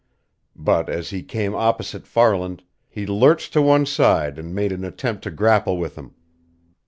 But as he came opposite Farland, he lurched to one side and made an attempt to grapple with him.